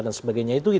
dan sebagainya itu